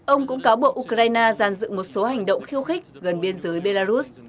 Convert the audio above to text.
ông cũng cáo buộc ukraine giàn dự một số hành động khiêu khích gần biên giới belarus